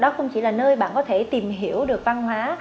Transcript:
đó không chỉ là nơi bạn có thể tìm hiểu được văn hóa